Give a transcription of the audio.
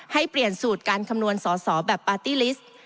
ให้เปลี่ยนสูตรการคำนวณสอสอแบบปาร์ตี้ลิสต์